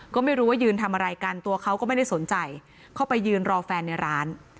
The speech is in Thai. ก็ไม่รู้ว่ายืนทำอะไรกันตัวเขาก็ไม่ได้สนใจเข้าไปยืนรอแฟนในร้าน